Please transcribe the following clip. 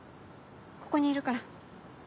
ここにいるから。